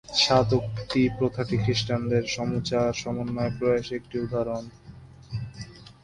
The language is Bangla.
সাত-উক্তি প্রথাটি খ্রিস্টানদের সুসমাচার সমন্বয় প্রয়াসের একটি উদাহরণ।